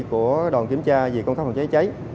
của đoàn kiểm tra về công tác phòng cháy cháy